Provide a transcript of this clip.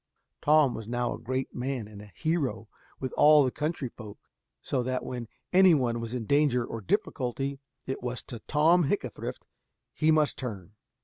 Tom was now a great man and a hero with all the country folk, so that when any one was in danger or difficulty, it was to Tom Hickathrift he must turn.